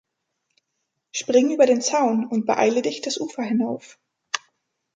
Spring über den Zaun und beeile dich das Ufer hinauf.